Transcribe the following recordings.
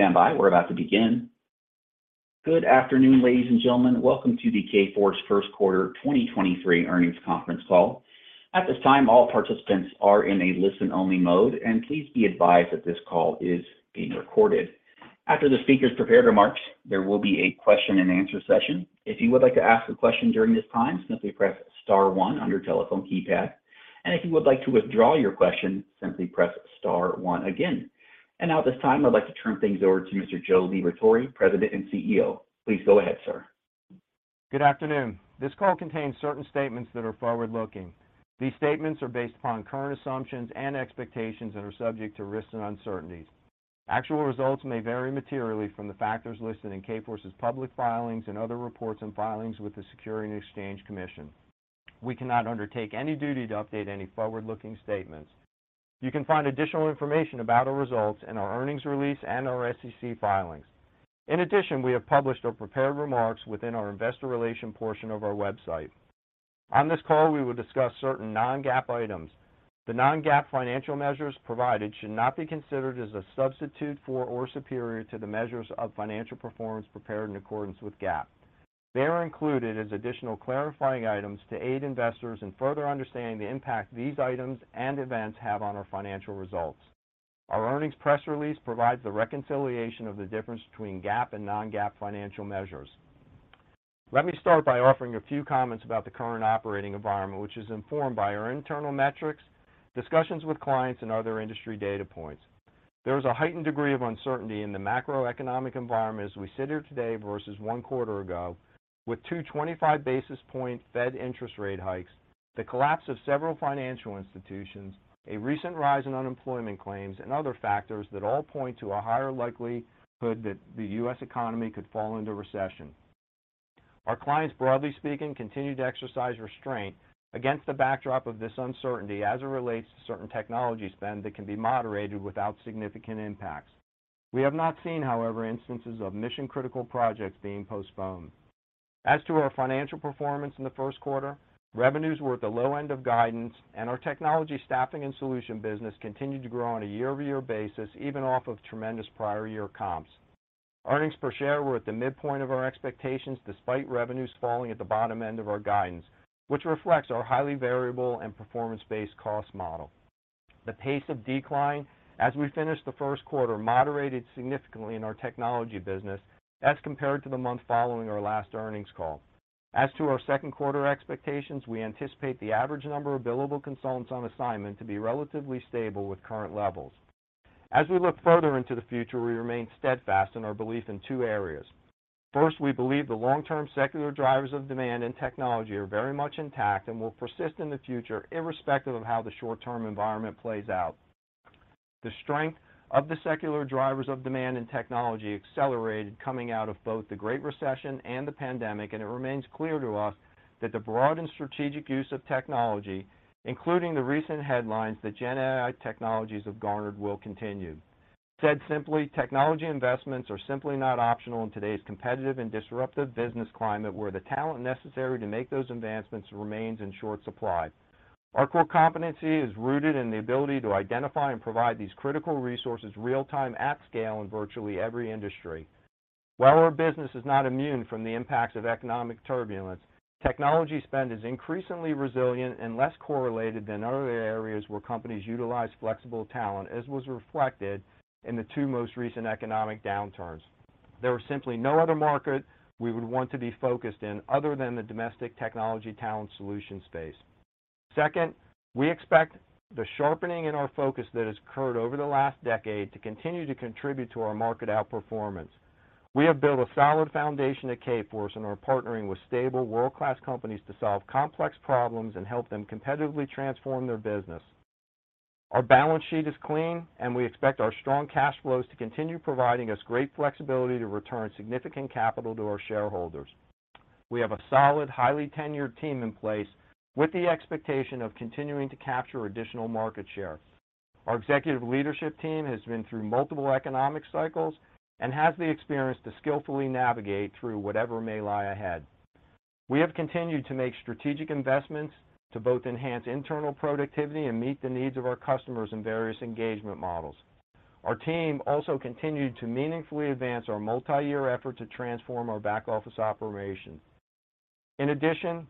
Please stand by. We're about to begin. Good afternoon, ladies and gentlemen. Welcome to the Kforce First Quarter 2023 Earnings Conference Call. At this time, all participants are in a listen-only mode, and please be advised that this call is being recorded. After the speakers' prepared remarks, there will be a question-and-answer session. If you would like to ask a question during this time, simply press star one on your telephone keypad. If you would like to withdraw your question, simply press star one again. Now at this time, I'd like to turn things over to Mr. Joe Liberatore, President and CEO. Please go ahead, sir. Good afternoon. This call contains certain statements that are forward-looking. These statements are based upon current assumptions and expectations that are subject to risks and uncertainties. Actual results may vary materially from the factors listed in Kforce's public filings and other reports and filings with the Securities and Exchange Commission. We cannot undertake any duty to update any forward-looking statements. You can find additional information about our results in our earnings release and our SEC filings. In addition, we have published or prepared remarks within our investor relation portion of our website. On this call, we will discuss certain non-GAAP items. The non-GAAP financial measures provided should not be considered as a substitute for or superior to the measures of financial performance prepared in accordance with GAAP. They are included as additional clarifying items to aid investors in further understanding the impact these items and events have on our financial results. Our earnings press release provides the reconciliation of the difference between GAAP and non-GAAP financial measures. Let me start by offering a few comments about the current operating environment, which is informed by our internal metrics, discussions with clients, and other industry data points. There is a heightened degree of uncertainty in the macroeconomic environment as we sit here today versus one quarter ago, with two 25 basis point Fed interest rate hikes, the collapse of several financial institutions, a recent rise in unemployment claims and other factors that all point to a higher likelihood that the U.S. economy could fall into recession. Our clients, broadly speaking, continue to exercise restraint against the backdrop of this uncertainty as it relates to certain technology spend that can be moderated without significant impacts. We have not seen, however, instances of mission-critical projects being postponed. As to our financial performance in the first quarter, revenues were at the low end of guidance, and our technology staffing and solution business continued to grow on a year-over-year basis, even off of tremendous prior year comps. Earnings per share were at the midpoint of our expectations, despite revenues falling at the bottom end of our guidance, which reflects our highly variable and performance-based cost model. The pace of decline as we finished the first quarter moderated significantly in our technology business as compared to the month following our last earnings call. As to our second quarter expectations, we anticipate the average number of billable consultants on assignment to be relatively stable with current levels. As we look further into the future, we remain steadfast in our belief in two areas. First, we believe the long-term secular drivers of demand in technology are very much intact and will persist in the future irrespective of how the short-term environment plays out. The strength of the secular drivers of demand in technology accelerated coming out of both the Great Recession and the pandemic, and it remains clear to us that the broad and strategic use of technology, including the recent headlines that GenAI technologies have garnered, will continue. Said simply, technology investments are simply not optional in today's competitive and disruptive business climate where the talent necessary to make those advancements remains in short supply. Our core competency is rooted in the ability to identify and provide these critical resources real-time at scale in virtually every industry. While our business is not immune from the impacts of economic turbulence, technology spend is increasingly resilient and less correlated than other areas where companies utilize flexible talent, as was reflected in the two most recent economic downturns. There was simply no other market we would want to be focused in other than the domestic technology talent solution space. We expect the sharpening in our focus that has occurred over the last decade to continue to contribute to our market outperformance. We have built a solid foundation at Kforce and are partnering with stable world-class companies to solve complex problems and help them competitively transform their business. Our balance sheet is clean, and we expect our strong cash flows to continue providing us great flexibility to return significant capital to our shareholders. We have a solid, highly tenured team in place with the expectation of continuing to capture additional market share. Our executive leadership team has been through multiple economic cycles and has the experience to skillfully navigate through whatever may lie ahead. We have continued to make strategic investments to both enhance internal productivity and meet the needs of our customers in various engagement models. Our team also continued to meaningfully advance our multi-year effort to transform our back-office operations. In addition,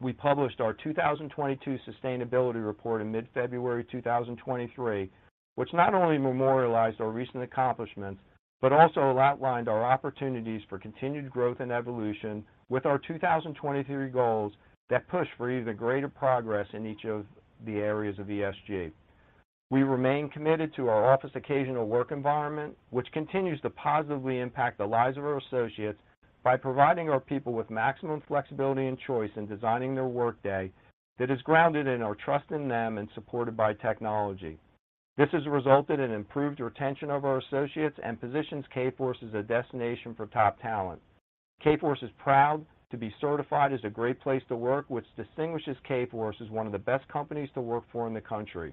we published our 2022 sustainability report in mid-February 2023, which not only memorialized our recent accomplishments, but also outlined our opportunities for continued growth and evolution with our 2023 goals that push for even greater progress in each of the areas of ESG. We remain committed to our office occasional work environment, which continues to positively impact the lives of our associates by providing our people with maximum flexibility and choice in designing their workday that is grounded in our trust in them and supported by technology. This has resulted in improved retention of our associates and positions Kforce as a destination for top talent. Kforce is proud to be certified as a Great Place To Work, which distinguishes Kforce as one of the best companies to work for in the country.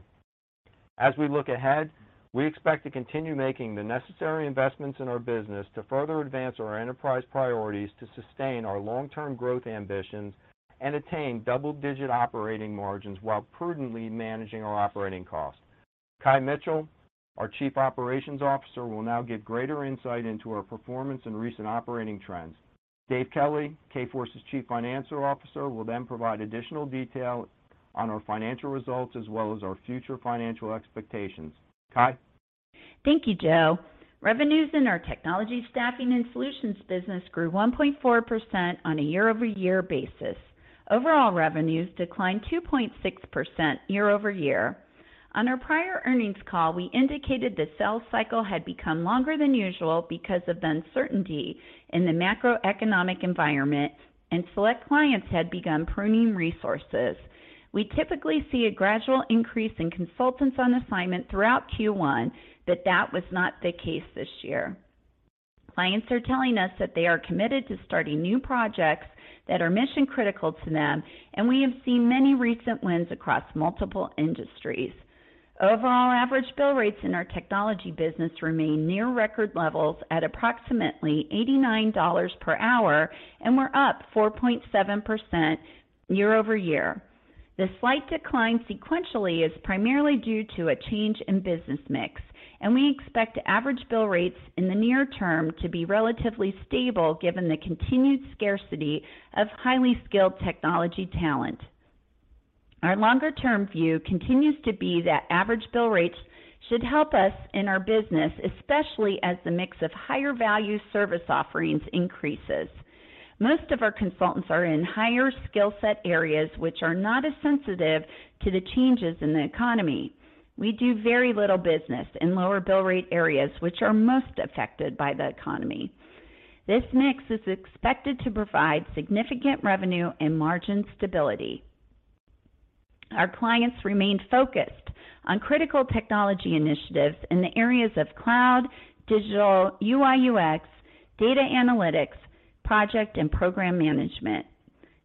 As we look ahead, we expect to continue making the necessary investments in our business to further advance our enterprise priorities to sustain our long-term growth ambitions and attain double-digit operating margins while prudently managing our operating costs. Kye Mitchell, our Chief Operations Officer, will now give greater insight into our performance and recent operating trends. Dave Kelly, Kforce's Chief Financial Officer, will provide additional detail on our financial results as well as our future financial expectations. Kye. Thank you, Joe. Revenues in our technology staffing and solutions business grew 1.4% on a year-over-year basis. Overall revenues declined 2.6% year-over-year. On our prior earnings call, we indicated the sales cycle had become longer than usual because of the uncertainty in the macroeconomic environment, and select clients had begun pruning resources. We typically see a gradual increase in consultants on assignment throughout Q1, but that was not the case this year. Clients are telling us that they are committed to starting new projects that are mission-critical to them, and we have seen many recent wins across multiple industries. Overall average bill rates in our technology business remain near record levels at approximately $89 per hour and were up 4.7% year-over-year. The slight decline sequentially is primarily due to a change in business mix. We expect average bill rates in the near term to be relatively stable given the continued scarcity of highly skilled technology talent. Our longer-term view continues to be that average bill rates should help us in our business, especially as the mix of higher value service offerings increases. Most of our consultants are in higher skill set areas which are not as sensitive to the changes in the economy. We do very little business in lower bill rate areas which are most affected by the economy. This mix is expected to provide significant revenue and margin stability. Our clients remain focused on critical technology initiatives in the areas of cloud, digital, UI/UX, data analytics, project and program management.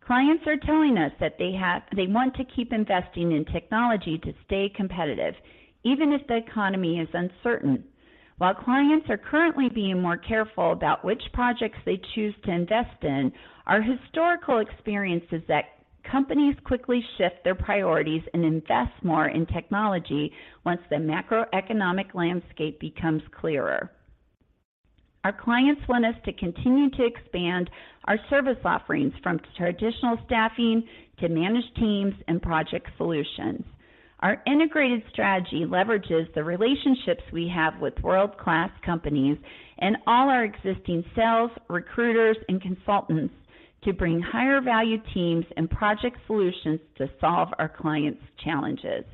Clients are telling us that they want to keep investing in technology to stay competitive even if the economy is uncertain. While clients are currently being more careful about which projects they choose to invest in, our historical experience is that companies quickly shift their priorities and invest more in technology once the macroeconomic landscape becomes clearer. Our clients want us to continue to expand our service offerings from traditional staffing to managed teams and project solutions. Our integrated strategy leverages the relationships we have with world-class companies and all our existing sales, recruiters, and consultants to bring higher value teams and project solutions to solve our clients' challenges.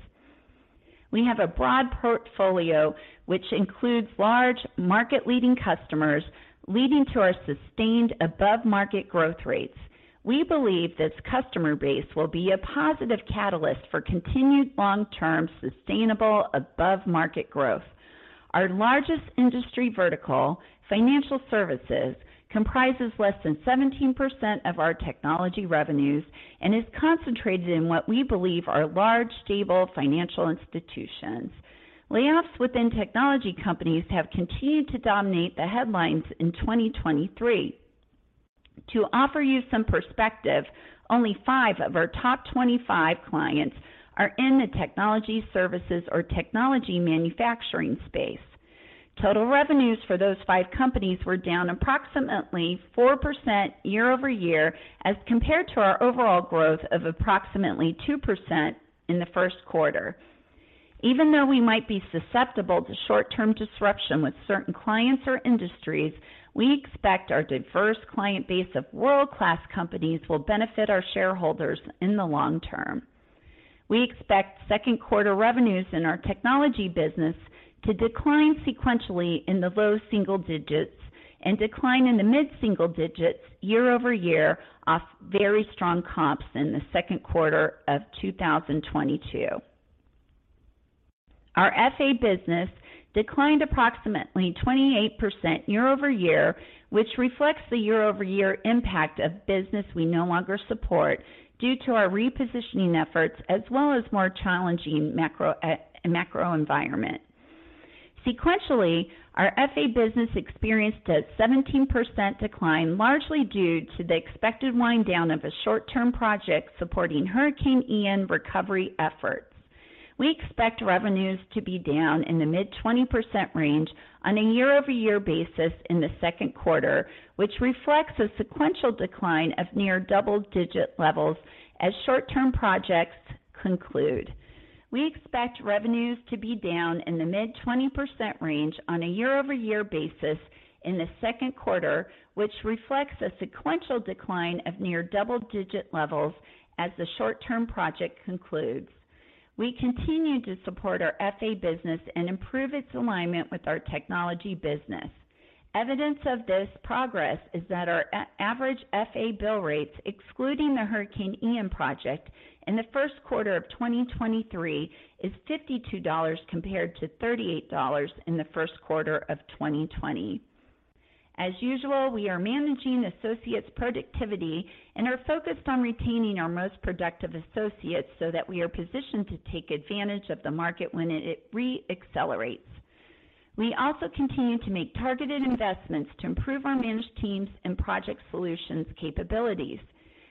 We have a broad portfolio which includes large market-leading customers leading to our sustained above-market growth rates. We believe this customer base will be a positive catalyst for continued long-term sustainable above-market growth. Our largest industry vertical, financial services, comprises less than 17% of our technology revenues and is concentrated in what we believe are large, stable financial institutions. Layoffs within technology companies have continued to dominate the headlines in 2023. To offer you some perspective, only five of our top 25 clients are in the technology services or technology manufacturing space. Total revenues for those five companies were down approximately 4% year-over-year as compared to our overall growth of approximately 2% in the Q1. Even though we might be susceptible to short-term disruption with certain clients or industries, we expect our diverse client base of world-class companies will benefit our shareholders in the long term. We expect second quarter revenues in our technology business to decline sequentially in the low single digits and decline in the mid-single digits year-over-year off very strong comps in the second quarter of 2022. Our FA business declined approximately 28% year-over-year, which reflects the year-over-year impact of business we no longer support due to our repositioning efforts as well as more challenging macro environment. Sequentially, our FA business experienced a 17% decline, largely due to the expected wind down of a short-term project supporting Hurricane Ian recovery efforts. We expect revenues to be down in the mid-20% range on a year-over-year basis in the second quarter, which reflects a sequential decline of near double-digit levels as short-term projects conclude. We expect revenues to be down in the mid-20% range on a year-over-year basis in the second quarter, which reflects a sequential decline of near double-digit levels as the short-term project concludes. We continue to support our FA business and improve its alignment with our technology business. Evidence of this progress is that our average FA bill rates, excluding the Hurricane Ian project, in the first quarter of 2023 is $52 compared to $38 in the first quarter of 2020. As usual, we are managing associates' productivity and are focused on retaining our most productive associates so that we are positioned to take advantage of the market when it re-accelerates. We also continue to make targeted investments to improve our managed teams and project solutions capabilities.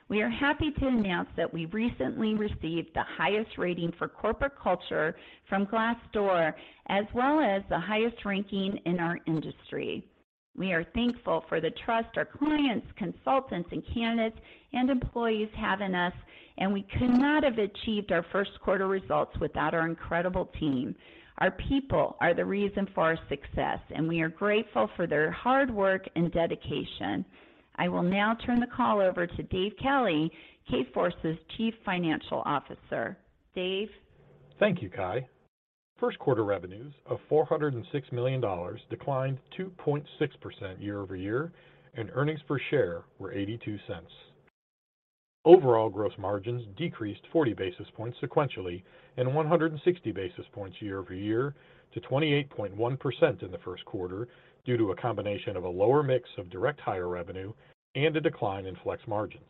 We are happy to announce that we recently received the highest rating for corporate culture from Glassdoor, as well as the highest ranking in our industry. We are thankful for the trust our clients, consultants, and candidates and employees have in us, and we could not have achieved our first quarter results without our incredible team. Our people are the reason for our success, and we are grateful for their hard work and dedication. I will now turn the call over to Dave Kelly, Kforce's Chief Financial Officer. Dave? Thank you, Kye. First quarter revenues of $406 million declined 2.6% year-over-year. Earnings per share were $0.82. Overall gross margins decreased 40 basis points sequentially and 160 basis points year-over-year to 28.1% in the first quarter due to a combination of a lower mix of direct hire revenue and a decline in flex margins.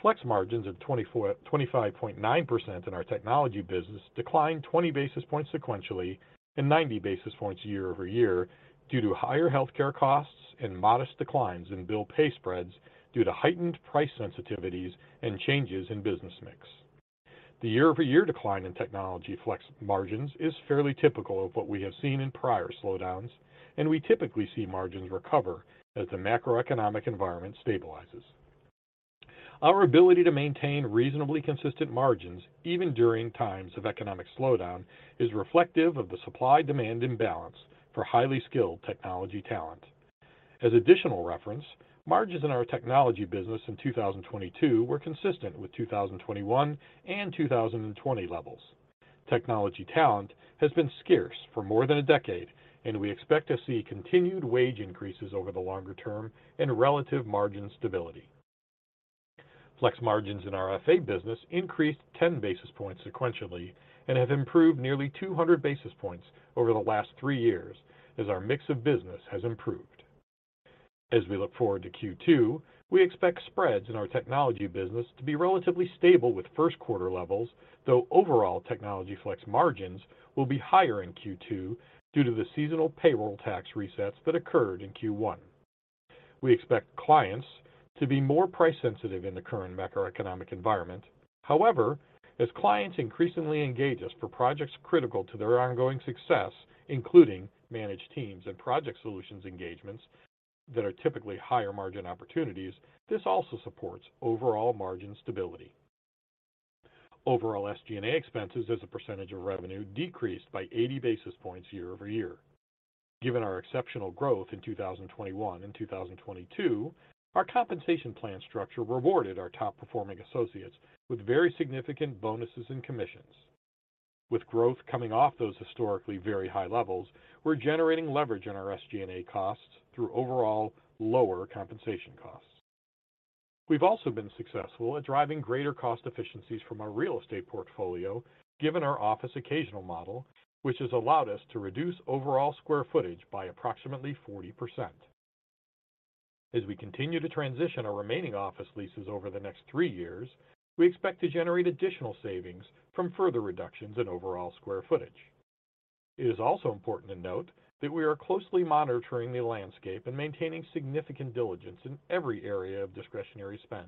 Flex margins of 25.9% in our technology business declined 20 basis points sequentially and 90 basis points year-over-year due to higher healthcare costs and modest declines in bill pay spreads due to heightened price sensitivities and changes in business mix. The year-over-year decline in technology flex margins is fairly typical of what we have seen in prior slowdowns. We typically see margins recover as the macroeconomic environment stabilizes. Our ability to maintain reasonably consistent margins even during times of economic slowdown is reflective of the supply-demand imbalance for highly skilled technology talent. As additional reference, margins in our technology business in 2022 were consistent with 2021 and 2020 levels. Technology talent has been scarce for more than a decade, and we expect to see continued wage increases over the longer term and relative margin stability. Flex margins in our FA business increased 10 basis points sequentially and have improved nearly 200 basis points over the last three years as our mix of business has improved. As we look forward to Q2, we expect spreads in our technology business to be relatively stable with first quarter levels, though overall technology flex margins will be higher in Q2 due to the seasonal payroll tax resets that occurred in Q1. We expect clients to be more price sensitive in the current macroeconomic environment. As clients increasingly engage us for projects critical to their ongoing success, including managed teams and project solutions engagements that are typically higher margin opportunities, this also supports overall margin stability. Overall SG&A expenses as a percentage of revenue decreased by 80 basis points year-over-year. Given our exceptional growth in 2021 and 2022, our compensation plan structure rewarded our top performing associates with very significant bonuses and commissions. With growth coming off those historically very high levels, we're generating leverage in our SG&A costs through overall lower compensation costs. We've also been successful at driving greater cost efficiencies from our real estate portfolio given our office occasional model, which has allowed us to reduce overall square footage by approximately 40%. As we continue to transition our remaining office leases over the next three years, we expect to generate additional savings from further reductions in overall square footage. It is also important to note that we are closely monitoring the landscape and maintaining significant diligence in every area of discretionary spend.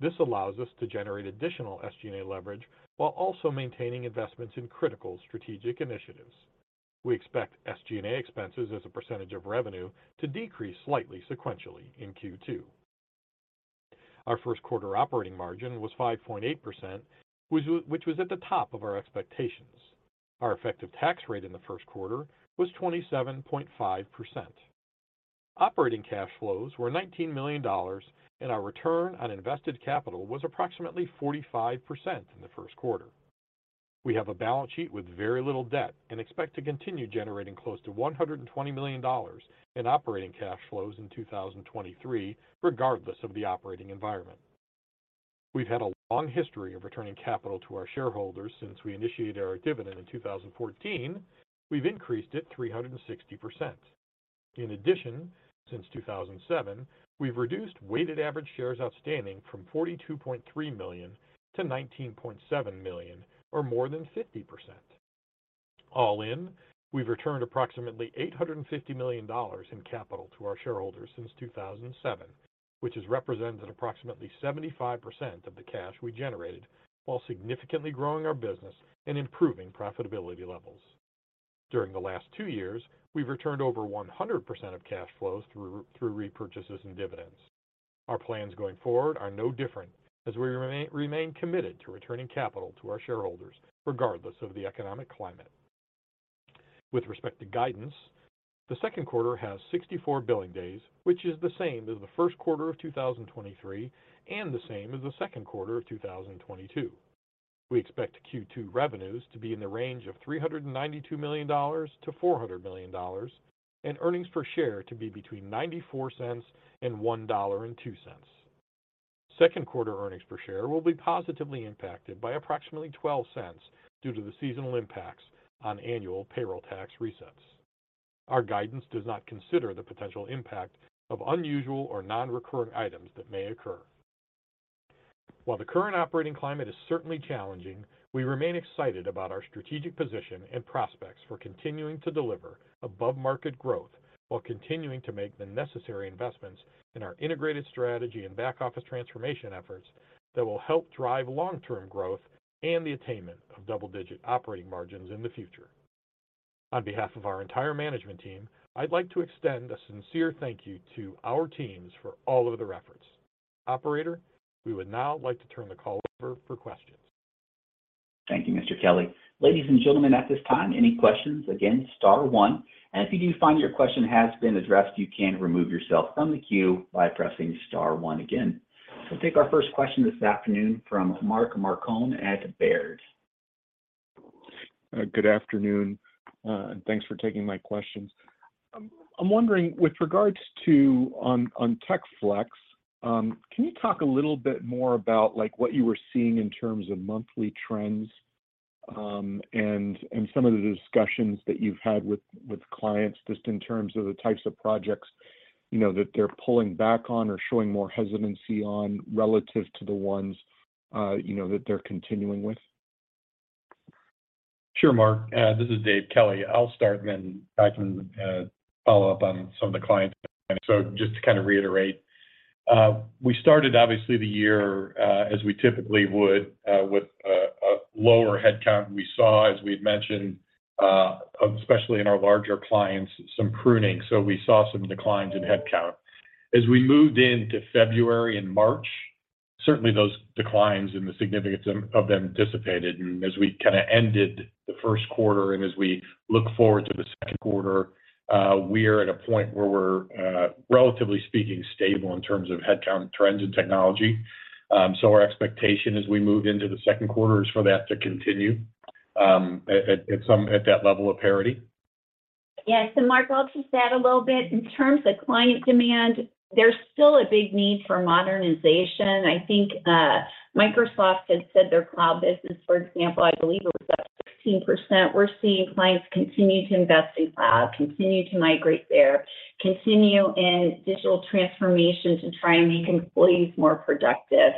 This allows us to generate additional SG&A leverage while also maintaining investments in critical strategic initiatives. We expect SG&A expenses as a % of revenue to decrease slightly sequentially in Q2. Our first quarter operating margin was 5.8%, which was at the top of our expectations. Our effective tax rate in the first quarter was 27.5%. Operating cash flows were $19 million, and our return on invested capital was approximately 45% in the first quarter. We have a balance sheet with very little debt and expect to continue generating close to $120 million of operating cash flows in 2023, regardless of the operating environment. We've had a long history of returning capital to our shareholders since we initiated our dividend in 2014. We've increased it 360%. In addition, since 2007, we've reduced weighted average shares outstanding from 42.3 million-19.7 million, or more than 50%. All in, we've returned approximately $850 million in capital to our shareholders since 2007, which has represented approximately 75% of the cash we generated while significantly growing our business and improving profitability levels. During the last two years, we've returned over 100% of cash flows through repurchases and dividends. Our plans going forward are no different as we remain committed to returning capital to our shareholders regardless of the economic climate. With respect to guidance, the second quarter has 64 billing days, which is the same as the first quarter of 2023 and the same as the second quarter of 2022. We expect Q2 revenues to be in the range of $392 million-$400 million, and earnings per share to be between $0.94 and $1.02. Second quarter earnings per share will be positively impacted by approximately $0.12 due to the seasonal impacts on annual payroll tax resets. Our guidance does not consider the potential impact of unusual or non-recurring items that may occur. While the current operating climate is certainly challenging, we remain excited about our strategic position and prospects for continuing to deliver above-market growth while continuing to make the necessary investments in our integrated strategy and back office transformation efforts that will help drive long-term growth and the attainment of double-digit operating margins in the future. On behalf of our entire management team, I'd like to extend a sincere thank you to our teams for all of their efforts. Operator, we would now like to turn the call over for questions. Thank you, Mr. Kelly. Ladies and gentlemen, at this time, any questions, again, star one. If you do find your question has been addressed, you can remove yourself from the queue by pressing star one again. We'll take our first question this afternoon from Mark Marcon at Baird. Good afternoon. Thanks for taking my questions. I'm wondering with regards to on tech flex, can you talk a little bit more about, like, what you were seeing in terms of monthly trends, and some of the discussions that you've had with clients just in terms of the types of projects, you know, that they're pulling back on or showing more hesitancy on relative to the ones, you know, that they're continuing with? Sure, Mark. This is Dave Kelly. I'll start and then Kye can follow up on some of the client. Just to kind of reiterate, we started obviously the year as we typically would with a lower headcount. We saw, as we had mentioned, especially in our larger clients, some pruning, so we saw some declines in headcount. As we moved into February and March, certainly those declines and the significance of them dissipated. As we kind of ended the first quarter and as we look forward to the second quarter, we're at a point where we're relatively speaking stable in terms of headcount trends in technology. Our expectation as we move into the second quarter is for that to continue at that level of parity. Yeah. Mark, I'll just add a little bit. In terms of client demand, there's still a big need for modernization. I think Microsoft has said their cloud business, for example, I believe it was up 16%. We're seeing clients continue to invest in cloud, continue to migrate there, continue in digital transformation to try and make employees more productive.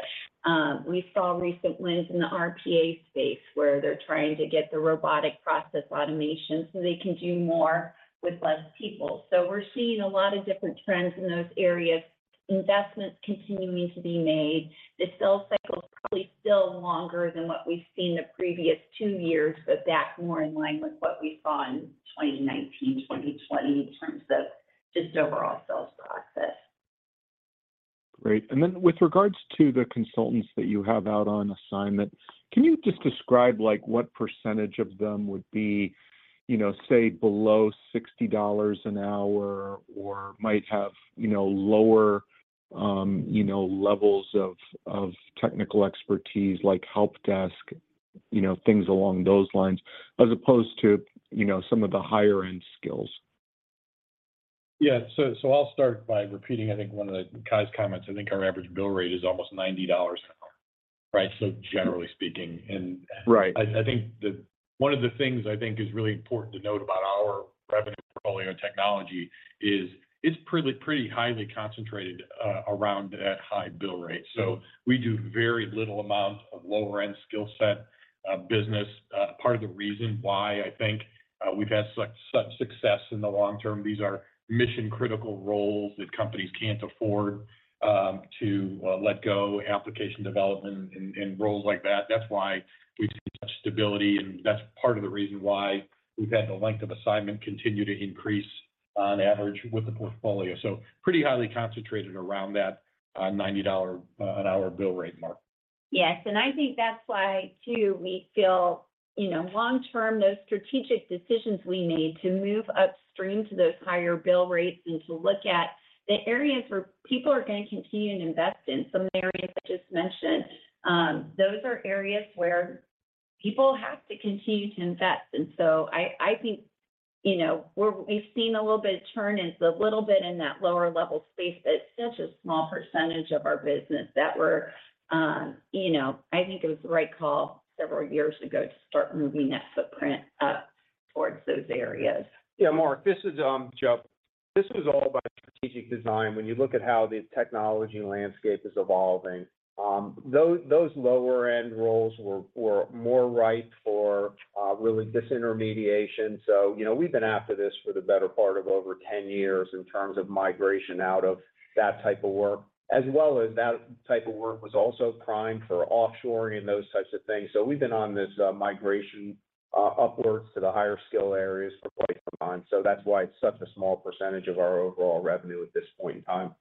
We saw recent wins in the RPA space where they're trying to get the robotic process automation so they can do more with less people. We're seeing a lot of different trends in those areas, investments continuing to be made. The sales cycle is probably still longer than what we've seen the previous two years, but that's more in line with what we saw in 2019, 2020 in terms of just overall sales process. Great. With regards to the consultants that you have out on assignment, can you just describe, like, what percentage of them would be, you know, say below $60 an hour or might have, you know, lower, you know, levels of technical expertise like help desk, you know, things along those lines, as opposed to, you know, some of the higher-end skills? Yeah. I'll start by repeating, I think one of Kye's comments. I think our average bill rate is almost $90 an hour, right? Generally speaking. Right. I think the one of the things I think is really important to note about our revenue portfolio in technology is it's pretty highly concentrated around that high bill rate. We do very little amount of lower-end skill set business. Part of the reason why I think we've had such success in the long term, these are mission-critical roles that companies can't afford to let go, application development and roles like that. That's why we've seen such stability, and that's part of the reason why we've had the length of assignment continue to increase on average with the portfolio. Pretty highly concentrated around that $90 an hour bill rate mark. Yes. I think that's why too we feel, you know, long term, those strategic decisions we made to move upstream to those higher bill rates and to look at the areas where people are gonna continue to invest in, some of the areas I just mentioned, those are areas where people have to continue to invest. I think, you know, we've seen a little bit of churn is a little bit in that lower level space, but it's such a small percentage of our business that we're, you know. I think it was the right call several years ago to start moving that footprint up towards those areas. Yeah, Mark. This is Joe. This was all by strategic design. When you look at how the technology landscape is evolving, those lower-end roles were more ripe for really disintermediation. You know, we've been after this for the better part of over 10 years in terms of migration out of that type of work, as well as that type of work was also primed for offshoring and those types of things. We've been on this migration upwards to the higher skill areas for quite some time. That's why it's such a small percentage of our overall revenue at this point in time.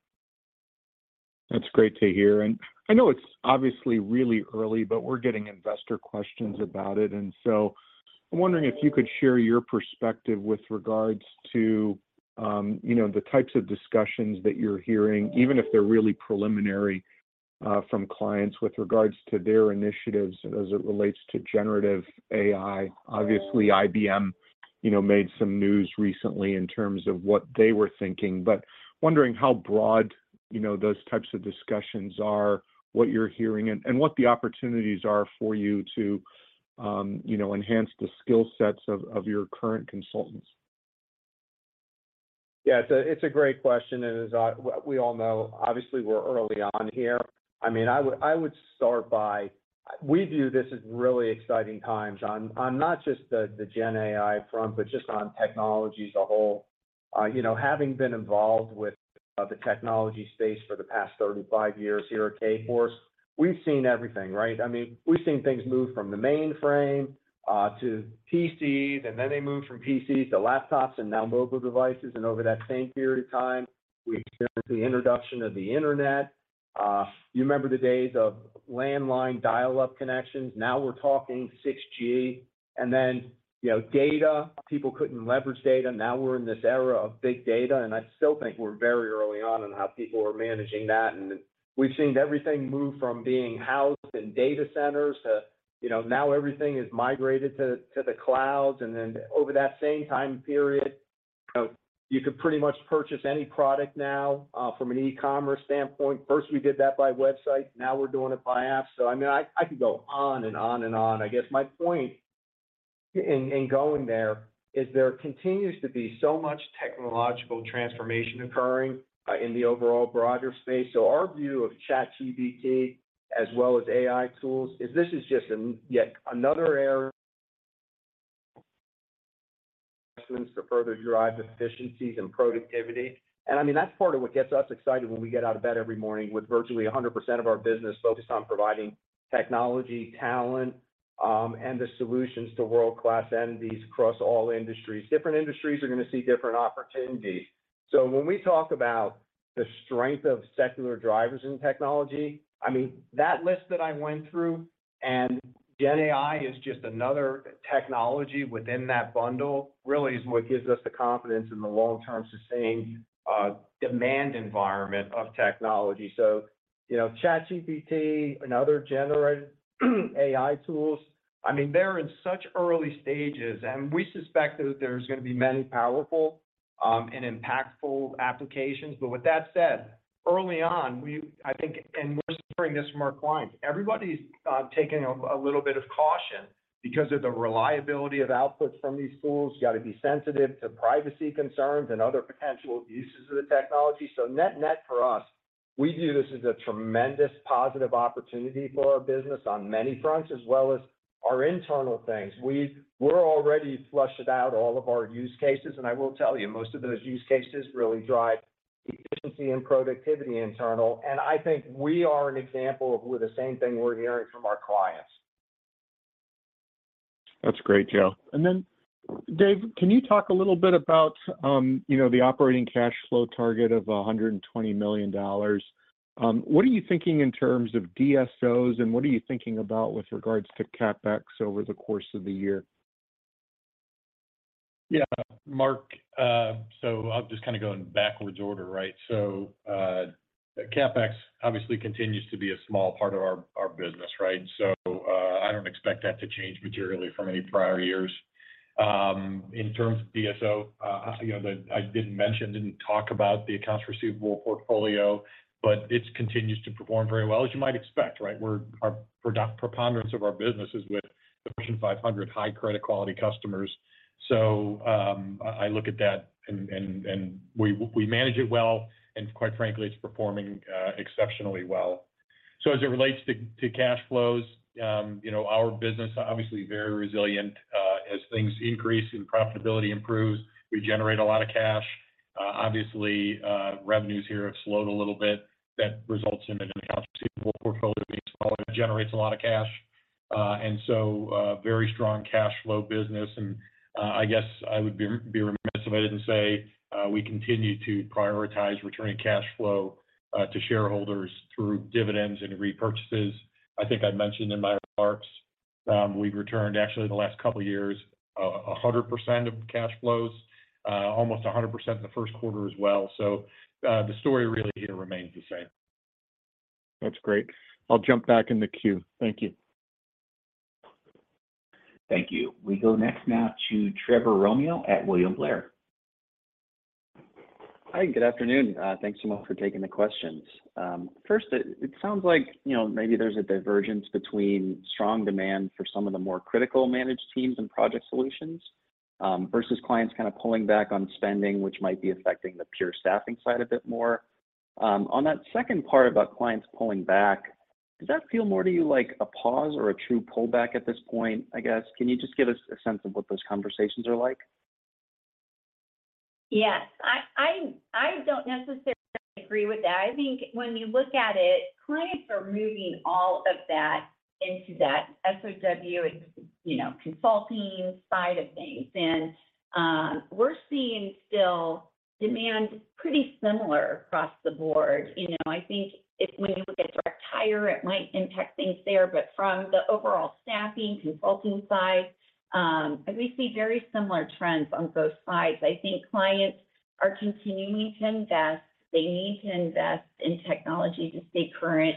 That's great to hear. I know it's obviously really early, but we're getting investor questions about it. I'm wondering if you could share your perspective with regards to, you know, the types of discussions that you're hearing, even if they're really preliminary, from clients with regards to their initiatives as it relates to generative AI. Obviously, IBM, you know, made some news recently in terms of what they were thinking. Wondering how broad, you know, those types of discussions are, what you're hearing and, what the opportunities are for you to, you know, enhance the skill sets of your current consultants. Yeah, it's a great question. We all know, obviously we're early on here. I mean, I would start by we view this as really exciting times on not just the gen AI front, but just on technology as a whole. You know, having been involved with the technology space for the past 35 years here at Kforce, we've seen everything, right? I mean, we've seen things move from the mainframe to PCs, then they moved from PCs to laptops and now mobile devices. Over that same period of time, we experienced the introduction of the Internet. You remember the days of landline dial-up connections? Now we're talking 6G. Then, you know, data, people couldn't leverage data. Now we're in this era of big data. I still think we're very early on in how people are managing that. We've seen everything move from being housed in data centers to, you know, now everything is migrated to the clouds. Over that same time period, you know, you could pretty much purchase any product now from an e-commerce standpoint. First, we did that by website. Now we're doing it by app. I mean, I could go on and on and on. I guess my point in going there is there continues to be so much technological transformation occurring in the overall broader space. Our view of ChatGPT, as well as AI tools, is this is just an yet another era to further drive efficiencies and productivity. I mean, that's part of what gets us excited when we get out of bed every morning with virtually 100% of our business focused on providing technology, talent, and the solutions to world-class entities across all industries. Different industries are gonna see different opportunities. When we talk about the strength of secular drivers in technology, I mean, that list that I went through, and gen AI is just another technology within that bundle, really is what gives us the confidence in the long-term sustaining demand environment of technology. You know, ChatGPT and other generated AI tools, I mean, they're in such early stages, and we suspect that there's gonna be many powerful and impactful applications. With that said, early on, I think, and we're hearing this from our clients. Everybody's taking a little bit of caution because of the reliability of outputs from these tools. You got to be sensitive to privacy concerns and other potential uses of the technology. Net net for us, we view this as a tremendous positive opportunity for our business on many fronts, as well as our internal things. We're already flushed out all of our use cases, and I will tell you, most of those use cases really drive efficiency and productivity internal. I think we are an example of the same thing we're hearing from our clients. That's great, Joe. Dave, can you talk a little bit about, you know, the operating cash flow target of $120 million? What are you thinking in terms of DSOs, and what are you thinking about with regards to CapEx over the course of the year? Yeah. Mark, I'll just kinda go in backwards order, right? CapEx obviously continues to be a small part of our business, right? I don't expect that to change materially from any prior years. In terms of DSO, you know, that I didn't mention, didn't talk about the accounts receivable portfolio, but it continues to perform very well, as you might expect, right? Preponderance of our business is with Fortune 500 high credit quality customers. I look at that and we manage it well, and quite frankly, it's performing exceptionally well. As it relates to cash flows, you know, our business obviously very resilient. As things increase and profitability improves, we generate a lot of cash. Obviously, revenues here have slowed a little bit. That results in an accounts receivable portfolio being smaller. It generates a lot of cash, and so, very strong cash flow business. I guess I would be remiss if I didn't say, we continue to prioritize returning cash flow to shareholders through dividends and repurchases. I think I mentioned in my remarks, we've returned actually the last couple of years, 100% of cash flows, almost 100% in the first quarter as well. The story really here remains the same. That's great. I'll jump back in the queue. Thank you. Thank you. We go next now to Trevor Romeo at William Blair. Hi. Good afternoon. thanks so much for taking the questions. first, it sounds like, you know, maybe there's a divergence between strong demand for some of the more critical managed teams and project solutions, versus clients kinda pulling back on spending, which might be affecting the pure staffing side a bit more. on that second part about clients pulling back, does that feel more to you like a pause or a true pullback at this point, I guess? Can you just give us a sense of what those conversations are like? Yes. I don't necessarily agree with that. I think when you look at it, clients are moving all of that into that SOW and you know, consulting side of things. We're seeing still demand pretty similar across the board. You know, I think if when you look at direct hire, it might impact things there. But from the overall staffing, consulting side, we see very similar trends on both sides. I think clients are continuing to invest. They need to invest in technology to stay current.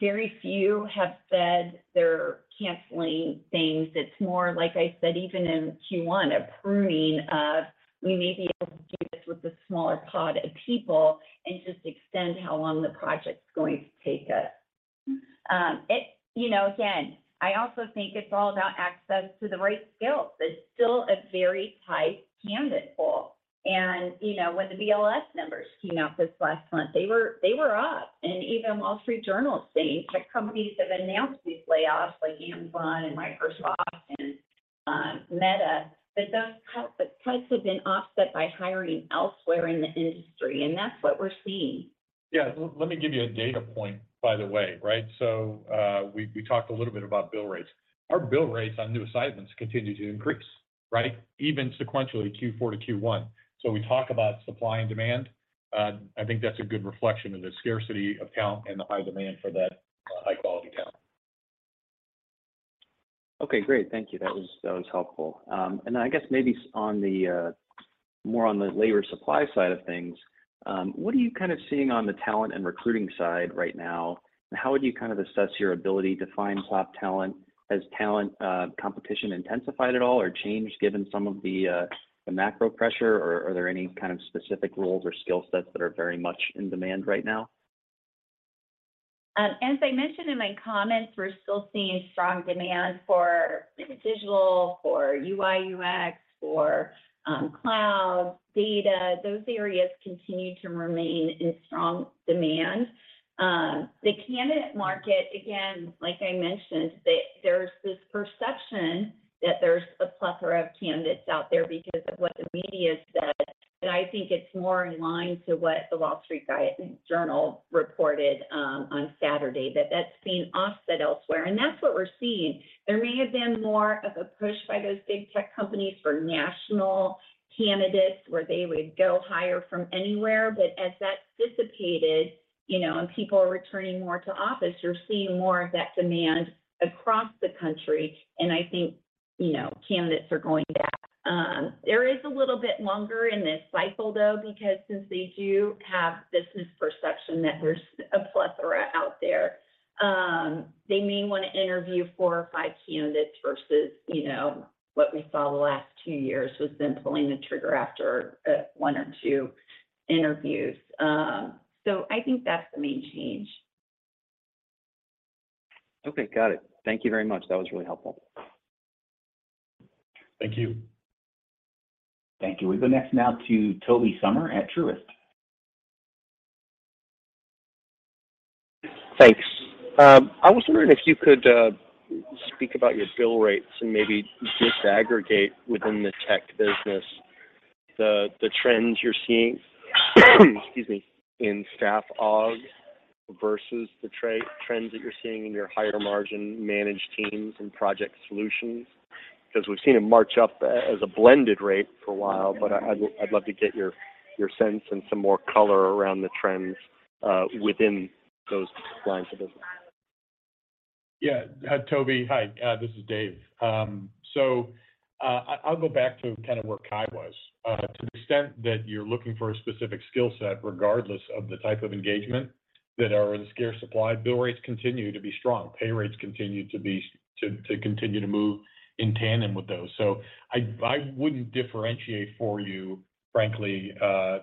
Very few have said they're canceling things. It's more, like I said, even in Q1, a pruning of, we may be able to do this with a smaller pod of people and just extend how long the project's going to take us. It, you know, again, I also think it's all about access to the right skills. There's still a very tight candidate pool. You know, when the BLS numbers came out this last month, they were up. Even The Wall Street Journal is saying tech companies have announced these layoffs, like Amazon and Microsoft and Meta, that the cuts have been offset by hiring elsewhere in the industry, and that's what we're seeing. Yeah. Let me give you a data point, by the way. Right? We talked a little bit about bill rates. Our bill rates on new assignments continue to increase, right? Even sequentially, Q4 to Q1. We talk about supply and demand, I think that's a good reflection of the scarcity of talent and the high demand for that high-quality talent. Okay, great. Thank you. That was helpful. Then I guess maybe on the more on the labor supply side of things, what are you kind of seeing on the talent and recruiting side right now? How would you kind of assess your ability to find top talent? Has talent competition intensified at all or changed given some of the macro pressure, or are there any kind of specific roles or skill sets that are very much in demand right now? As I mentioned in my comments, we're still seeing strong demand for digital, for UI/UX, for cloud, data. Those areas continue to remain in strong demand. The candidate market, again, like I mentioned, there's this perception that there's a plethora of candidates out there because of what the media's said, but I think it's more in line to what The Wall Street Journal reported on Saturday, that that's been offset elsewhere. That's what we're seeing. There may have been more of a push by those big tech companies for national candidates, where they would go hire from anywhere. As that dissipated, you know, and people are returning more to office, you're seeing more of that demand across the country. I think, you know, candidates are going back. There is a little bit longer in this cycle, though, because since they do have this misperception that there's a plethora out there, they may wanna interview four or five candidates versus, you know, what we saw the last two years, was them pulling the trigger after, one or two interviews. I think that's the main change. Okay. Got it. Thank you very much. That was really helpful. Thank you. Thank you. We go next now to Tobey Sommer at Truist. Thanks. I was wondering if you could speak about your bill rates and maybe disaggregate within the tech business the trends you're seeing, excuse me, in staff aug versus the trends that you're seeing in your higher margin managed teams and project solutions. We've seen it march up as a blended rate for a while, but I'd love to get your sense and some more color around the trends within those lines of business. Yeah. Tobey, hi, this is Dave. I'll go back to kind of where Kye was. To the extent that you're looking for a specific skill set, regardless of the type of engagement, that are in scarce supply, bill rates continue to be strong. Pay rates continue to continue to move in tandem with those. I wouldn't differentiate for you, frankly,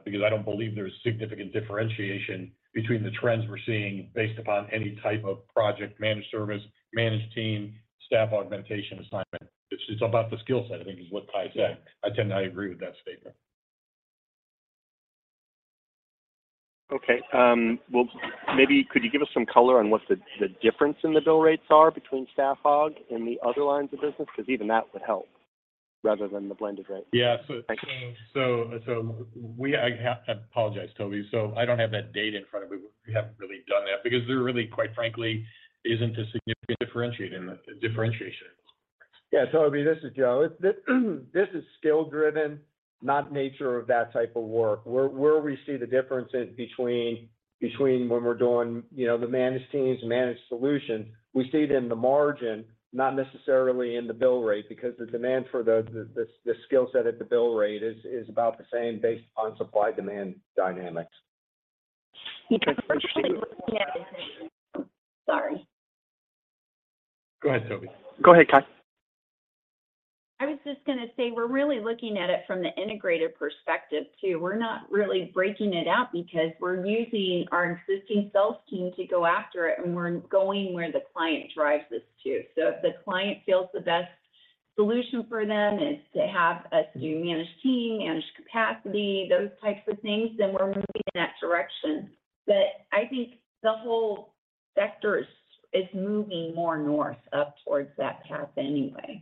because I don't believe there's significant differentiation between the trends we're seeing based upon any type of project, managed service, managed team, staff augmentation assignment. It's, it's about the skill set, I think is what Kye said. I tend to agree with that statement. Okay. Well, maybe could you give us some color on what the difference in the bill rates are between staff aug and the other lines of business? 'Cause even that would help rather than the blended rate. Yeah. Thank you. I apologize, Tobey. I don't have that data in front of me. We haven't really done that because there really, quite frankly, isn't a significant differentiation. Yeah. Tobey, this is Joe. This is skill-driven, not nature of that type of work. Where we see the difference is between when we're doing, you know, the managed teams, managed solutions, we see it in the margin, not necessarily in the bill rate, because the demand for the skill set at the bill rate is about the same based on supply/demand dynamics. Can you differentiate- Yeah. Sorry. Go ahead, Tobey. Go ahead, Kye. I was just gonna say, we're really looking at it from the integrator perspective, too. We're not really breaking it out because we're using our existing sales team to go after it. We're going where the client drives us to. If the client feels the best solution for them is to have us do managed team, managed capacity, those types of things, then we're moving in that direction. I think the whole sector is moving more north up towards that path anyway.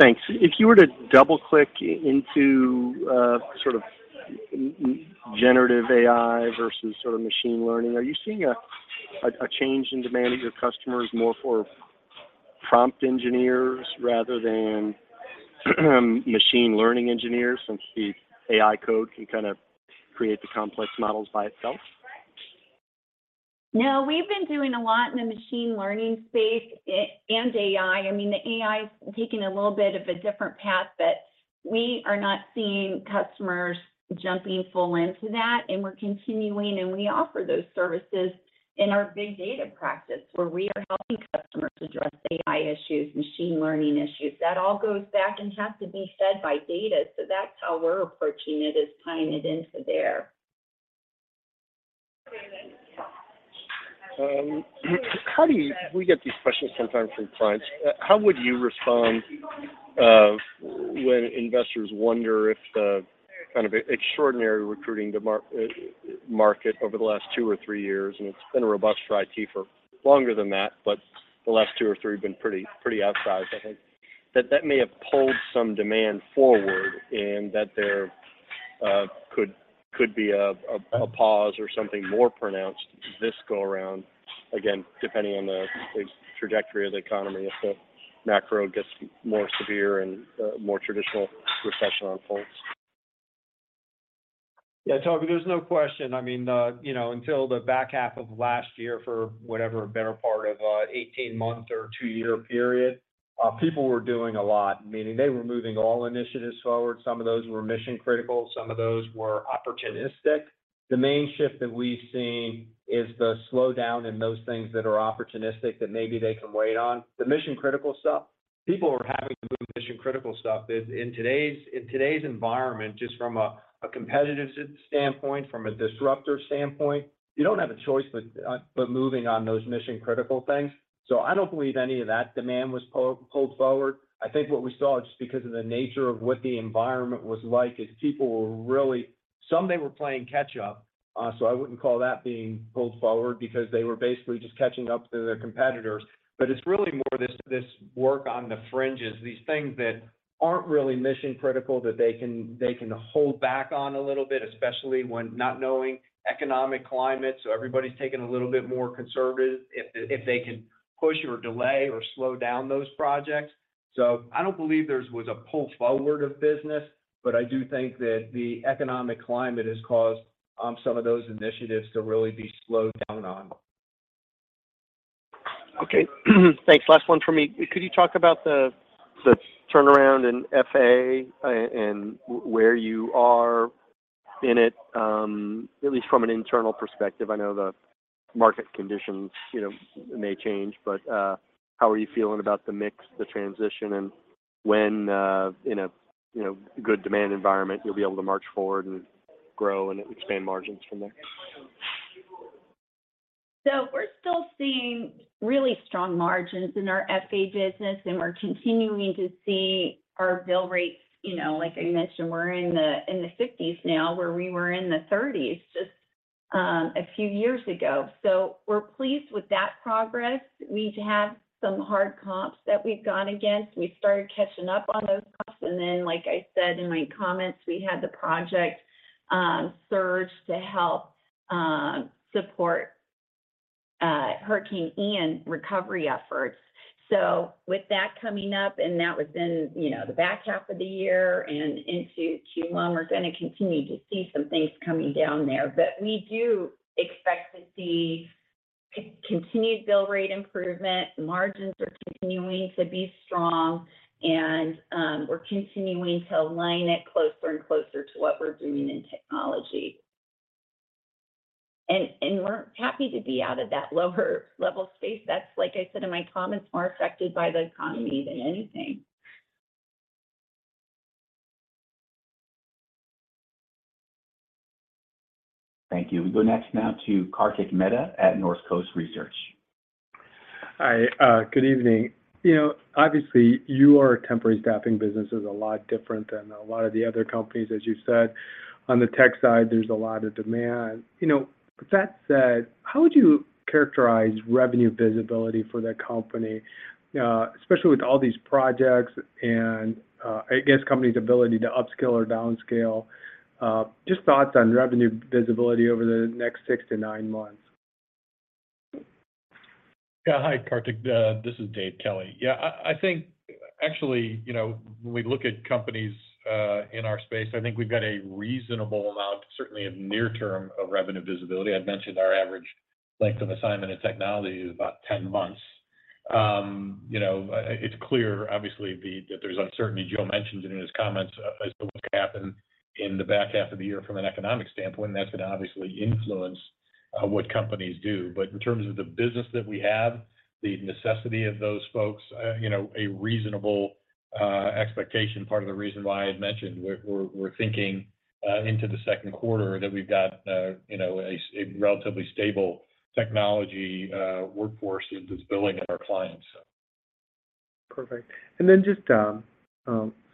Thanks. If you were to double-click into, sort of generative AI versus sort of machine learning, are you seeing a change in demand of your customers more for prompt engineers rather than machine learning engineers, since the AI code can kind of create the complex models by itself? No, we've been doing a lot in the machine learning space, and AI. I mean, the AI's taken a little bit of a different path, but we are not seeing customers jumping full into that, and we're continuing, and we offer those services. In our big data practice, where we are helping customers address AI issues, machine learning issues, that all goes back and has to be fed by data. That's how we're approaching it, is tying it into there. We get these questions sometimes from clients. How would you respond, when investors wonder if the kind of extraordinary recruiting market over the last two or three years, and it's been a robust for IT for longer than that, but the last two or three have been pretty outsized, I think. That may have pulled some demand forward and that there could be a pause or something more pronounced this go around, again, depending on the trajectory of the economy, if the macro gets more severe and a more traditional recession unfolds. Yeah, Toby, there's no question. I mean, you know, until the back half of last year, for whatever better part of 18-month or 2-year period, people were doing a lot, meaning they were moving all initiatives forward. Some of those were mission-critical, some of those were opportunistic. The main shift that we've seen is the slowdown in those things that are opportunistic that maybe they can wait on. The mission-critical stuff, people are having to move mission-critical stuff. In today's, in today's environment, just from a competitive standpoint, from a disruptor standpoint, you don't have a choice but moving on those mission-critical things. I don't believe any of that demand was pulled forward. I think what we saw, just because of the nature of what the environment was like, is people were really... Some they were playing catch up, so I wouldn't call that being pulled forward because they were basically just catching up to their competitors. But it's really more this work on the fringes, these things that aren't really mission-critical that they can hold back on a little bit, especially when not knowing economic climate. Everybody's taking a little bit more conservative if they can push or delay or slow down those projects. I don't believe there was a pull forward of business, but I do think that the economic climate has caused, some of those initiatives to really be slowed down on. Okay. Thanks. Last one from me. Could you talk about the turnaround in FA and where you are in it, at least from an internal perspective? I know the market conditions, you know, may change, but how are you feeling about the mix, the transition, and when in a, you know, good demand environment, you'll be able to march forward and grow and expand margins from there? We're still seeing really strong margins in our FA business, and we're continuing to see our bill rates. You know, like I mentioned, we're in the 60s now, where we were in the 30s just a few years ago. We're pleased with that progress. We have some hard comps that we've gone against. We started catching up on those comps. Then, like I said in my comments, we had the project surge to help support Hurricane Ian recovery efforts. With that coming up, and that was in, you know, the back half of the year and into Q1, we're gonna continue to see some things coming down there. We do expect to see continued bill rate improvement. Margins are continuing to be strong, and we're continuing to align it closer and closer to what we're doing in technology. We're happy to be out of that lower level space. That's, like I said in my comments, more affected by the economy than anything. Thank you. We go next now to Kartik Mehta at Northcoast Research. Hi. good evening. You know, obviously, you are a temporary staffing business. It's a lot different than a lot of the other companies. As you said, on the tech side, there's a lot of demand. You know, with that said, how would you characterize revenue visibility for the company, especially with all these projects and, I guess, company's ability to upskill or downscale? Just thoughts on revenue visibility over the next six to nine months. Yeah. Hi, Kartik. This is Dave Kelly. Yeah, I think actually, you know, when we look at companies in our space, I think we've got a reasonable amount, certainly in near term, of revenue visibility. I'd mentioned our average length of assignment in technology is about 10 months. You know, it's clear, obviously, that there's uncertainty. Joe mentioned it in his comments as to what's gonna happen in the back half of the year from an economic standpoint, that's gonna obviously influence what companies do. In terms of the business that we have, the necessity of those folks, you know, a reasonable expectation. Part of the reason why I had mentioned we're thinking into the second quarter that we've got, you know, a relatively stable technology workforce that's billing at our clients. Perfect. Just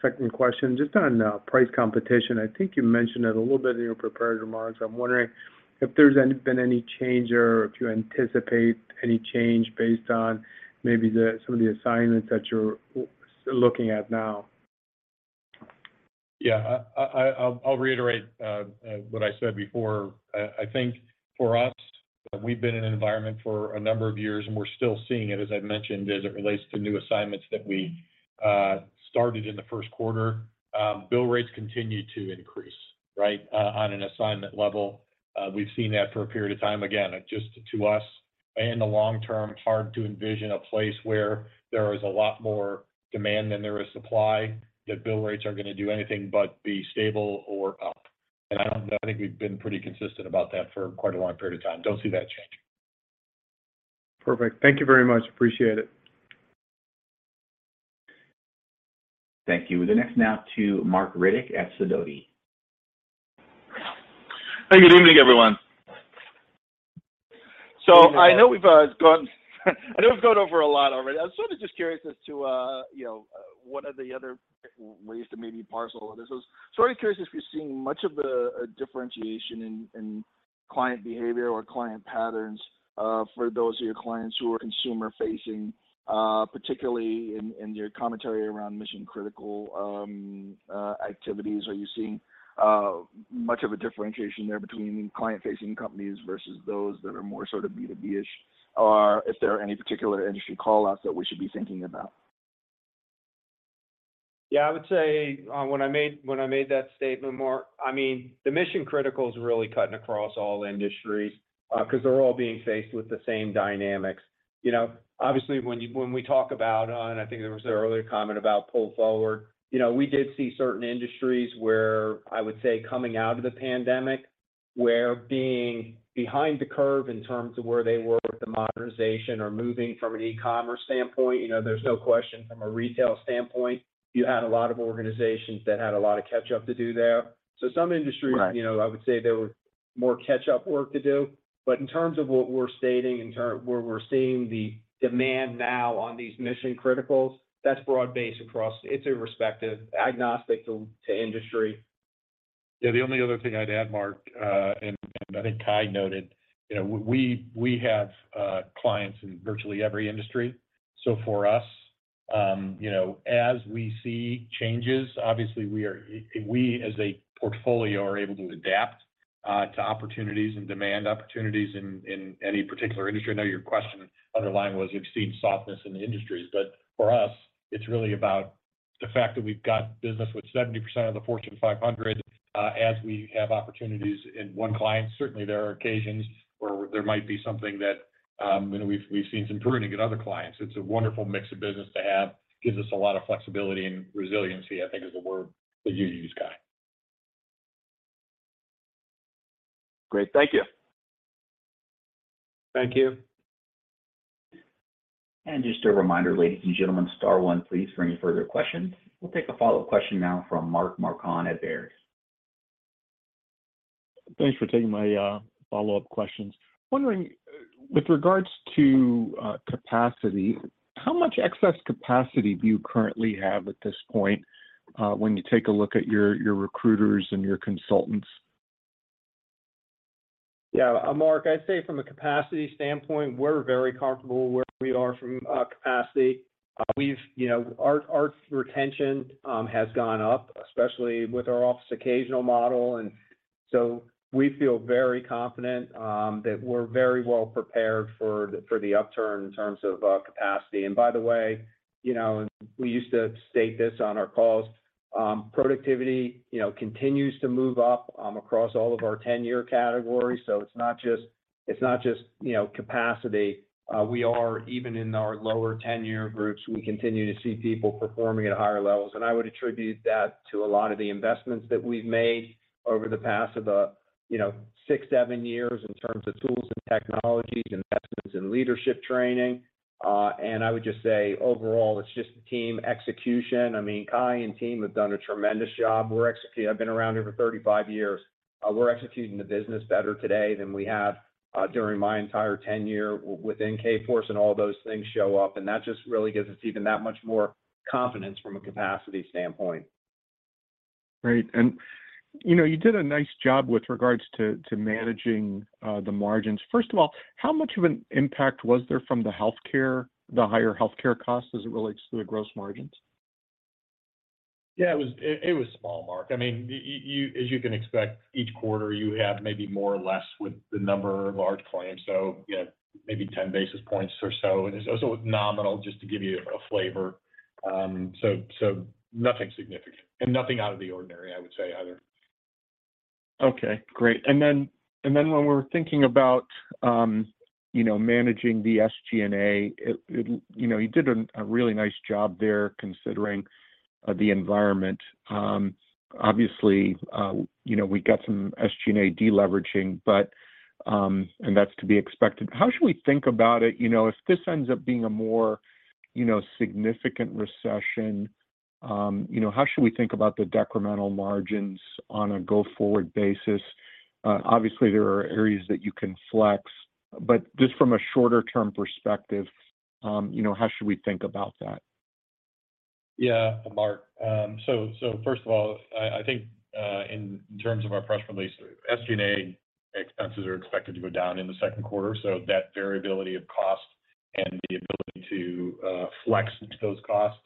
second question. Just on price competition, I think you mentioned it a little bit in your prepared remarks. I'm wondering if there's been any change or if you anticipate any change based on maybe the, some of the assignments that you're looking at now? Yeah. I'll reiterate what I said before. I think for us, we've been in an environment for a number of years, and we're still seeing it, as I've mentioned, as it relates to new assignments that we started in the first quarter. Bill rates continue to increase, right, on an assignment level. We've seen that for a period of time. Again, just to usIn the long term, hard to envision a place where there is a lot more demand than there is supply, that bill rates are gonna do anything but be stable or up. I think we've been pretty consistent about that for quite a long period of time. Don't see that changing. Perfect. Thank you very much. Appreciate it. Thank you. The next now to Marc Riddick at Sidoti. Hey, good evening, everyone. I know we've gone over a lot already. I was sort of just curious as to, you know, what are the other ways to maybe parcel this. Sort of curious if you're seeing much of a differentiation in client behavior or client patterns for those of your clients who are consumer-facing, particularly in your commentary around mission-critical activities. Are you seeing much of a differentiation there between client-facing companies versus those that are more sort of B2B-ish? Or if there are any particular industry call-outs that we should be thinking about. Yeah, I would say, when I made that statement, Marc, I mean, the mission-critical is really cutting across all industries, 'cause they're all being faced with the same dynamics. You know, obviously, when we talk about, and I think there was an earlier comment about pull forward, you know, we did see certain industries where I would say coming out of the pandemic, where being behind the curve in terms of where they were with the modernization or moving from an e-commerce standpoint, you know, there's no question from a retail standpoint, you had a lot of organizations that had a lot of catch up to do there. Some industries- Right. You know, I would say there were more catch-up work to do. In terms of what we're stating, where we're seeing the demand now on these mission-criticals, it's irrespective, agnostic to industry. Yeah, the only other thing I'd add, Mark, and I think Kye noted, you know, we have clients in virtually every industry. For us, you know, as we see changes, obviously as a portfolio are able to adapt to opportunities and demand opportunities in any particular industry. I know your question underlying was you're seeing softness in the industries, for us, it's really about the fact that we've got business with 70% of the Fortune 500. As we have opportunities in one client, certainly there are occasions where there might be something that, you know, we've seen some pruning in other clients. It's a wonderful mix of business to have, gives us a lot of flexibility, and resiliency, I think, is the word that you used, Kye. Great. Thank you. Thank you. Just a reminder, ladies and gentlemen, star one, please, for any further questions. We'll take a follow-up question now from Mark Marcon at Baird. Thanks for taking my follow-up questions. Wondering, with regards to capacity, how much excess capacity do you currently have at this point, when you take a look at your recruiters and your consultants? Yeah. Mark, I'd say from a capacity standpoint, we're very comfortable where we are from a capacity. We've, you know, our retention has gone up, especially with our Office Occasional model. We feel very confident that we're very well prepared for the upturn in terms of capacity. By the way, you know, we used to state this on our calls, productivity, you know, continues to move up across all of our tenure categories. It's not just, you know, capacity. We are, even in our lower tenure groups, we continue to see people performing at higher levels. I would attribute that to a lot of the investments that we've made over the past about, you know, six, seven years in terms of tools and technologies, investments in leadership training. I would just say overall, it's just the team execution. I mean, Kye and team have done a tremendous job. I've been around here for 35 years. We're executing the business better today than we have during my entire tenure within Kforce, and all those things show up, and that just really gives us even that much more confidence from a capacity standpoint. Great. you know, you did a nice job with regards to managing, the margins. First of all, how much of an impact was there from the healthcare, the higher healthcare costs as it relates to the gross margins? Yeah, it was small, Mark. I mean, as you can expect, each quarter you have maybe more or less with the number of large claims. You have maybe 10 basis points or so. It's also nominal, just to give you a flavor. Nothing significant and nothing out of the ordinary, I would say either. Okay, great. When we're thinking about, you know, managing the SG&A, you know, you did a really nice job there considering the environment. Obviously, you know, we got some SG&A deleveraging, but, and that's to be expected. How should we think about it, you know, if this ends up being a more, you know, significant recession, you know, how should we think about the decremental margins on a go-forward basis? Obviously there are areas that you can flex, but just from a shorter term perspective, you know, how should we think about that? Yeah, Mark. So, first of all, I think, in terms of our press release, SG&A expenses are expected to go down in the second quarter. That variability of cost and the ability to flex those costs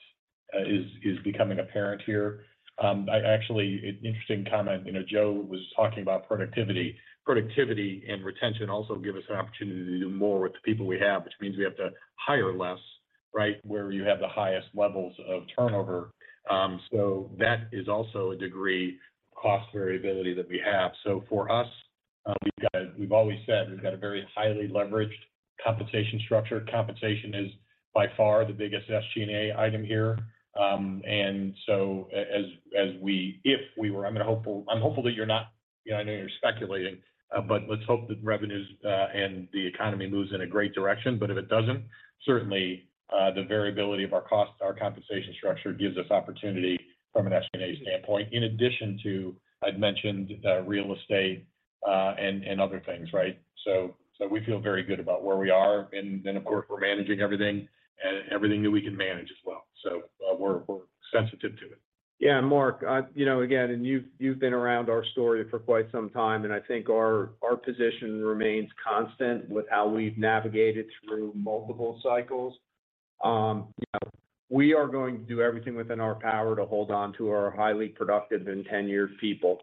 is becoming apparent here. I actually, an interesting comment, you know, Joe was talking about productivity. Productivity and retention also give us an opportunity to do more with the people we have, which means we have to hire less right where you have the highest levels of turnover. That is also a degree cost variability that we have. For us, we've always said we've got a very highly leveraged compensation structure. Compensation is by far the biggest SG&A item here. If we were, I'm hopeful, I'm hopeful that you're not, you know, I know you're speculating. Let's hope that revenues and the economy moves in a great direction. If it doesn't, certainly, the variability of our costs, our compensation structure gives us opportunity from an SG&A standpoint, in addition to I'd mentioned real estate and other things, right? We feel very good about where we are. Of course, we're managing everything and everything that we can manage as well. We're, we're sensitive to it. Yeah, Mark, you know, again, and you've been around our story for quite some time, and I think our position remains constant with how we've navigated through multiple cycles. You know, we are going to do everything within our power to hold on to our highly productive and tenured people,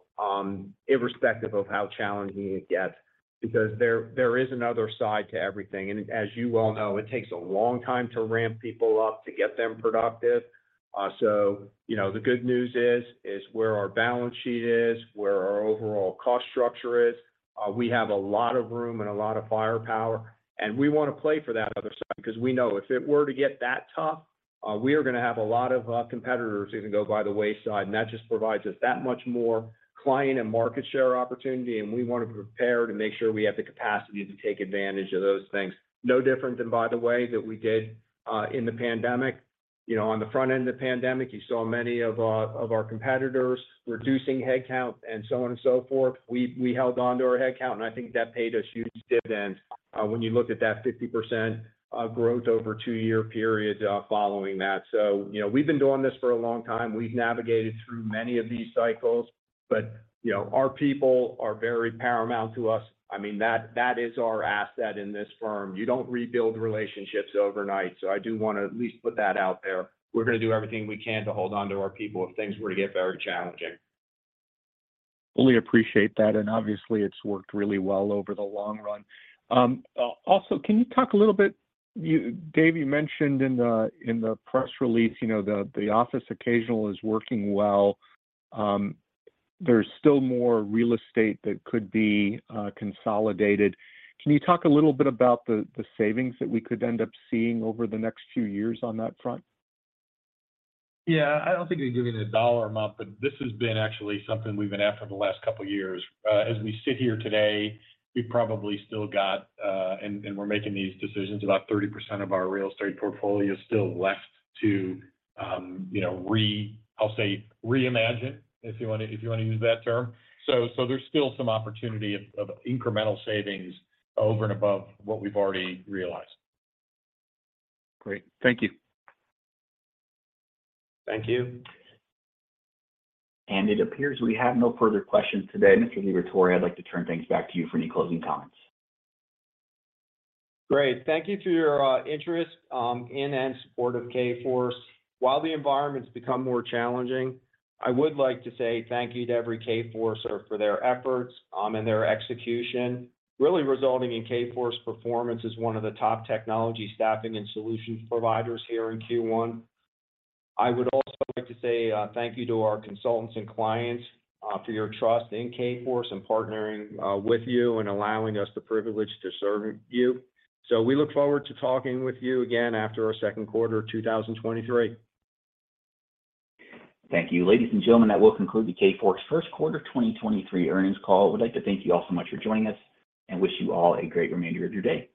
irrespective of how challenging it gets, because there is another side to everything. As you well know, it takes a long time to ramp people up to get them productive. You know, the good news is where our balance sheet is, where our overall cost structure is, we have a lot of room and a lot of firepower, and we wanna play for that other side because we know if it were to get that tough, we are gonna have a lot of competitors who can go by the wayside, and that just provides us that much more client and market share opportunity, and we want to be prepared and make sure we have the capacity to take advantage of those things. No different than by the way that we did in the pandemic. You know, on the front end of the pandemic, you saw many of our competitors reducing headcount and so on and so forth. We held on to our headcount. I think that paid us huge dividends when you look at that 50% growth over two-year periods following that. You know, we've been doing this for a long time. We've navigated through many of these cycles. You know, our people are very paramount to us. I mean, that is our asset in this firm. You don't rebuild relationships overnight. I do wanna at least put that out there. We're gonna do everything we can to hold onto our people if things were to get very challenging. Fully appreciate that. Obviously it's worked really well over the long run. Also, can you talk a little bit, Dave, you mentioned in the press release, you know, the office occasional is working well. There's still more real estate that could be consolidated. Can you talk a little bit about the savings that we could end up seeing over the next few years on that front? Yeah. I don't think I can give you the dollar amount, but this has been actually something we've been after the last couple of years. As we sit here today, we've probably still got, and we're making these decisions, about 30% of our real estate portfolio is still left to, you know, I'll say reimagine, if you wanna use that term. There's still some opportunity of incremental savings over and above what we've already realized. Great. Thank you. Thank you. It appears we have no further questions today. Mr. Liberatore, I'd like to turn things back to you for any closing comments. Great. Thank you for your interest and support of Kforce. While the environment's become more challenging, I would like to say thank you to every Kforcer for their efforts and their execution, really resulting in Kforce performance as one of the top technology staffing and solutions providers here in Q1. I would also like to say thank you to our consultants and clients for your trust in Kforce and partnering with you and allowing us the privilege to serve you. We look forward to talking with you again after our second quarter of 2023. Thank you. Ladies and gentlemen, that will conclude the Kforce first quarter of 2023 earnings call. Would like to thank you all so much for joining us and wish you all a great remainder of your day.